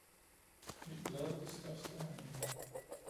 Mit blad er det største herinde